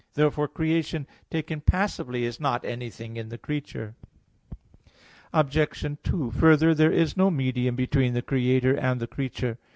Therefore creation taken passively is not anything in the creature. Obj. 2: Further, there is no medium between the Creator and the creature.